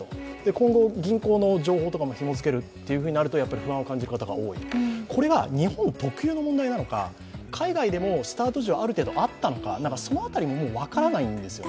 今後、銀行の情報などもひも付けるとなるとやっぱり不安を感じる方が多いこれが日本特有の問題なのか、海外でもスタート時はある程度あったのか、その辺りももう分からないんですよね。